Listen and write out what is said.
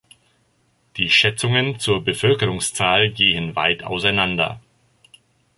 Die Schätzungen zur Bevölkerungszahl gehen weit auseinander.